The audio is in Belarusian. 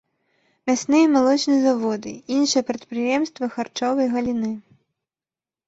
Мясны і малочны заводы, іншыя прадпрыемствы харчовай галіны.